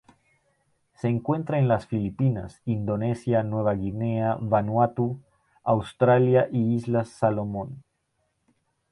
Se encuentra en las Filipinas, Indonesia Nueva Guinea Vanuatu, Australia y Islas Salomón.